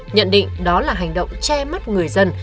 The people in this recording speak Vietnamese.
nhận định đó là hành động che mắt người dân